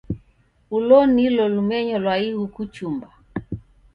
Ulo nilo lumenyo lwa ighu kuchumba.